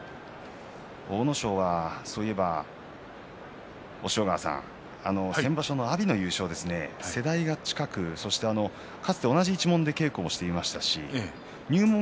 阿武咲はそういえば、押尾川さん先場所の阿炎が優勝、世代が近くかつて同じ一門で稽古をしていました。